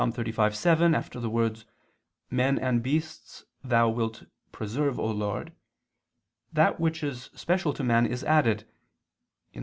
35:7) after the words, "Men and beasts Thou wilt preserve, O Lord," that which is special to man is added (Ps.